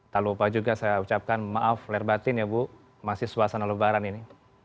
tak lupa juga saya ucapkan maaf lerbatin ya bu masih suasana lebaran ini